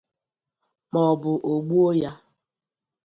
maọbụ o gbuo ya.